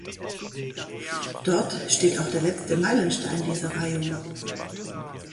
Dort steht auch der letzte Meilenstein dieser Reihung.